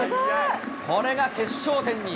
これが決勝点に。